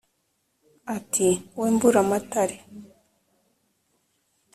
ati :" we mburamatare,